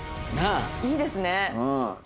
いいですね！